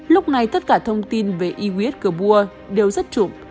lúc này tất cả thông tin về i w s kabur đều rất trụm